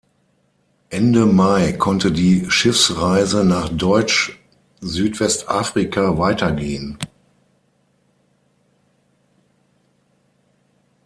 Ende Mai konnte die Schiffsreise nach Deutsch-Südwestafrika weitergehen.